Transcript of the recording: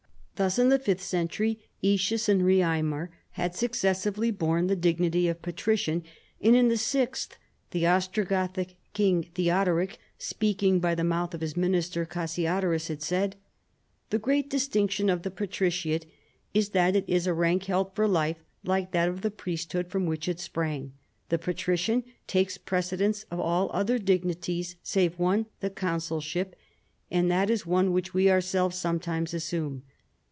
Thus, in tlie fifth century, Aetius and Picimer had succes sively borne the dignity of patrician, and in the sixth, the Ostrogothic king Theodoric, speaking by the mouth of his minister Cassiodorus, had said, " The great distinction of the patriciate is that it is a rank held for life, like that of the priesthood from which it sprang. The patrician takes precedence of all other dignities save one, the consulship, and that is one which we ourselves sometimes assume.